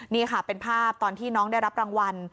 นี่ค่ะเป็นภาพตอนที่น้องได้รับรางวัล